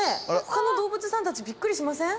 他の動物さんたちビックリしません？